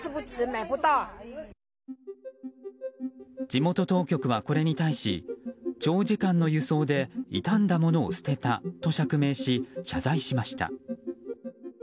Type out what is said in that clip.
地元当局はこれに対し長時間の輸送で傷んだものを捨てたと釈明し、謝罪しました。